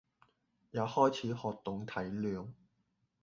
也開始學懂體諒